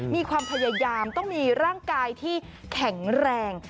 มีความพยายามต้องมีร่างกายที่แข็งแรง